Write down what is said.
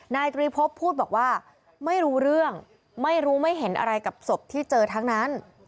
นายตรีพบพูดบอกว่าไม่รู้เรื่องไม่รู้ไม่เห็นอะไรกับศพที่เจอทั้งนั้น